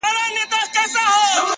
صبر د ستونزو تر ټولو نرم ځواب دی.!